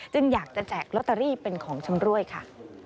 อยากจะแจกลอตเตอรี่เป็นของชำรวยค่ะ